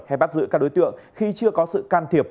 hay bắt giữ các đối tượng khi chưa có sự can thiệp